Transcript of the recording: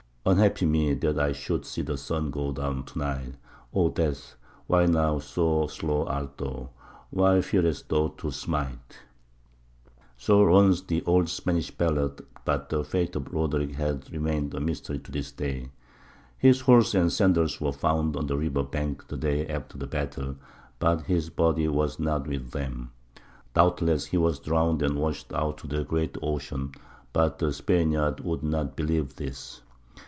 Unhappy me, that I should see the sun go down to night! O Death, why now so slow art thou, why fearest thou to smite?" So runs the old Spanish ballad; but the fate of Roderick has remained a mystery to this day. His horse and sandals were found on the river bank the day after the battle; but his body was not with them. Doubtless he was drowned and washed out to the great ocean. But the Spaniards would not believe this.